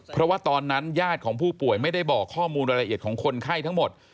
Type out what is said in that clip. เพราะว่าตอนนั้นญาติของผู้ป่วยไม่ได้บอกข้อมูลรายละเอียดของคนไข้ทั้งหมด